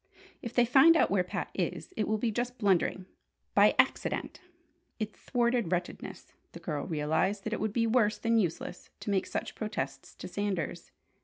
... If they find out where Pat is, it will be just blundering by accident!" In thwarted wretchedness, the girl realized that it would be worse than useless to make such protests to Sanders.